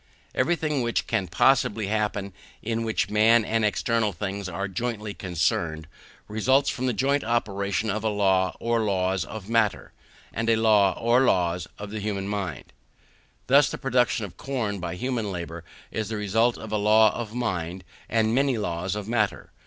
Everything which can possibly happen in which man and external things, are jointly concerned, results from the joint operation of a law or laws of matter, and a law or laws of the human mind. Thus the production of corn by human labour is the result of a law of mind, and many laws of matter.